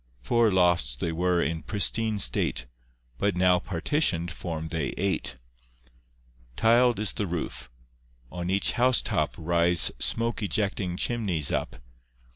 Four lofts they were in pristine state, But now partition'd form they eight. Tiled is the roof. On each house top Rise smoke ejecting chimneys up.